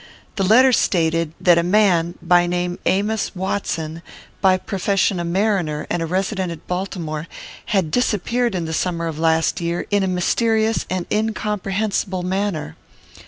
The letter stated, that a man, by name Amos Watson, by profession a mariner, and a resident at Baltimore, had disappeared in the summer of last year, in a mysterious and incomprehensible manner.